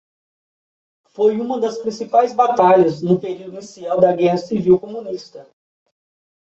Foi uma das principais batalhas no período inicial da guerra civil comunista.